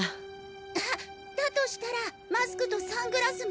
あだとしたらマスクとサングラスも？